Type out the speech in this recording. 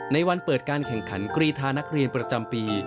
ในวันเปิดการแข่งขันกรีธานักเรียนประจำปี